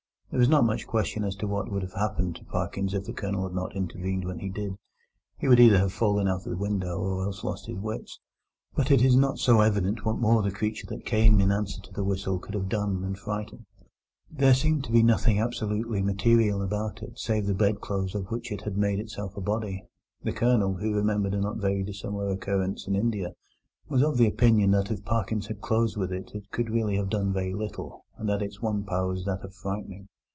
There is not much question as to what would have happened to Parkins if the Colonel had not intervened when he did. He would either have fallen out of the window or else lost his wits. But it is not so evident what more the creature that came in answer to the whistle could have done than frighten. There seemed to be absolutely nothing material about it save the bedclothes of which it had made itself a body. The Colonel, who remembered a not very dissimilar occurrence in India, was of the opinion that if Parkins had closed with it it could really have done very little, and that its one power was that of frightening.